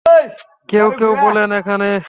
কেউ কেউ বলেন, এখানে।